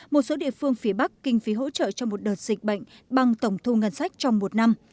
một số địa phương phía bắc kinh phí hỗ trợ cho một đợt dịch bệnh bằng tổng thu ngân sách trong một năm